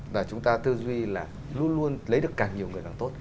và chúng ta tư duy là luôn luôn lấy được càng nhiều người càng tốt